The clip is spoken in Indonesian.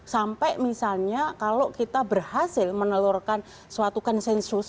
sampai misalnya kalau kita berhasil menelurkan suatu konsensus